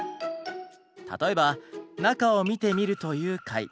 例えば「中を見てみる」という回。